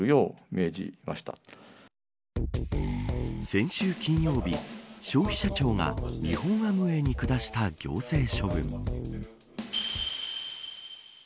先週金曜日消費者庁が日本アムウェイに下した行政処分。